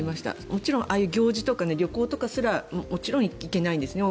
もちろんああいう行事とか旅行とかすら行けないんですね。